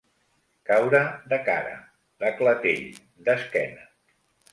Caure de cara, de clatell, d'esquena.